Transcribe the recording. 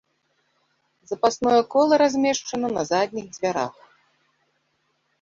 Запасное кола размешчана на задніх дзвярах.